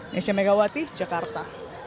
nesya megawati jakarta